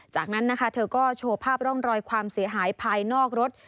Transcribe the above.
จากนั้นนะคะเธอก็โชว์ภาพร่องรอยความเสียหายภายนอกรถ